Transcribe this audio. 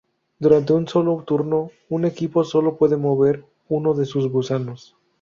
Durante un solo turno, un equipo sólo puede mover uno de sus gusanos.